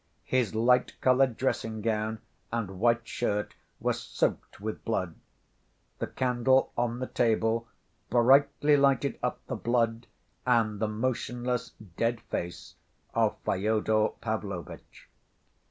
His light‐colored dressing‐gown and white shirt were soaked with blood. The candle on the table brightly lighted up the blood and the motionless dead face of Fyodor Pavlovitch.